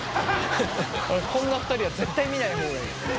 こんな２人は絶対見ない方がいい。